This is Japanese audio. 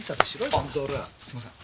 あっすいません。